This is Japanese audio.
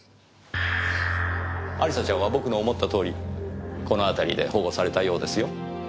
亜里沙ちゃんは僕の思った通りこの辺りで保護されたようですよ。